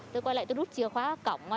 tôi quay lại tôi rút chìa khóa cổng